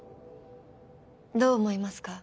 どう思いますか？